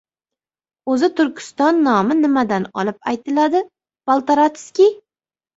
— O‘zi, Turkiston nomi nimadan olib aytiladi, Poltoratskiy?